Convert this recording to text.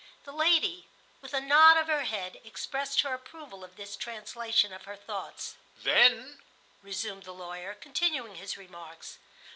The lady, with a nod of her head, expressed her approval of this translation of her thoughts. "Then," resumed the lawyer, continuing his remarks.